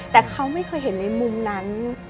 แต่เขาไม่เคยเห็นในมุมนั้น